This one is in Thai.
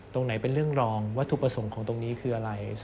ตรงไหนเป็นเรื่องรองวัตถุประสงค์ของตรงนี้คืออะไร